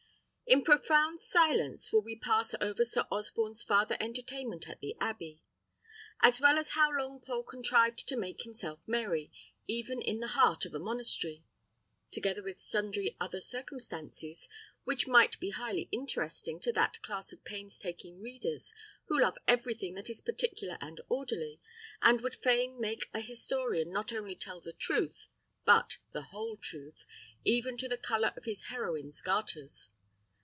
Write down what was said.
In profound silence will we pass over Sir Osborne's farther entertainment at the abbey; as well as how Longpole contrived to make himself merry, even in the heart of a monastery; together with sundry other circumstances, which might be highly interesting to that class of pains taking readers who love everything that is particular and orderly, and would fain make an historian not only tell the truth, but the whole truth, even to the colour of his heroine's garters.